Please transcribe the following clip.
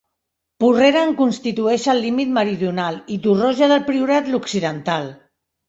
Porrera en constitueix el límit meridional, i Torroja del Priorat l'occidental.